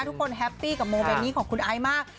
ทุกคนแฮปปี้กับโมเมนิกของคุณไอ้มาก